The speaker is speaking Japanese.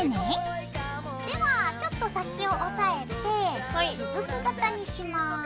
ではちょっと先を押さえてしずく型にします。